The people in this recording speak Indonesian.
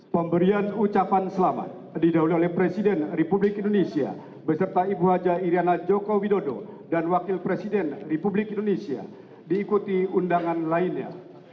pemberian ucapan selamat didahului oleh presiden republik indonesia beserta ibu haja iryana joko widodo dan wakil presiden republik indonesia diikuti undangan lainnya